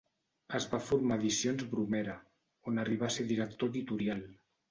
Es va formar a Edicions Bromera, on arribà a ser director editorial.